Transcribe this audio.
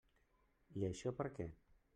I això per què?